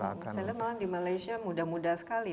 saya lihat malah di malaysia muda muda sekali